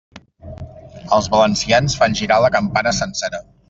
Els valencians fan girar la campana sencera.